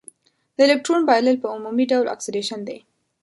د الکترون بایلل په عمومي ډول اکسیدیشن دی.